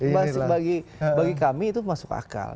jadi bagi kami itu masuk akal